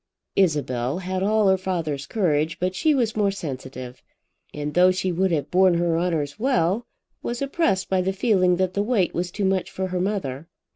Isabel had all her father's courage, but she was more sensitive; and though she would have borne her honours well, was oppressed by the feeling that the weight was too much for her mother.